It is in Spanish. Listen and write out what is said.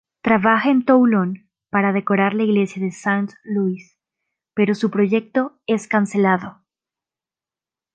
Trabaja en Toulon para decorar la iglesia de Saint-Louis, pero su proyecto es cancelado.